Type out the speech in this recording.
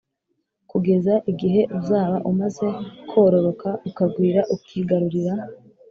Kugeza igihe uzaba umaze kororoka ukagwira ukigarurira